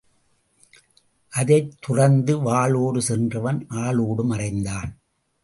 அதைத் துறந்து வாளோடு சென்றவன் ஆளோடு மறைந்தான்.